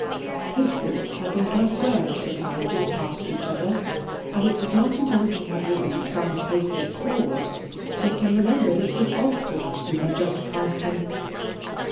His thoughts had been elsewhere as the carriages passed each other, and it was not until he had ridden some paces forward, that he remembered it was Osborne who had just passed him.